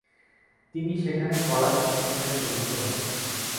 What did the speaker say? তিনি সেখানে কলা-শিক্ষক হিসাবে নিযুক্ত হন।